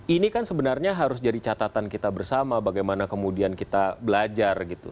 ini kan sebenarnya harus jadi catatan kita bersama bagaimana kemudian kita belajar gitu